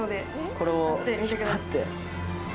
これを引っ張って。